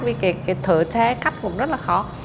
vì cái thờ tre cắt cũng rất là khó